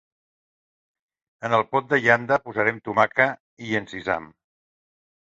En el pot de llanda posaren tomaca i encisam.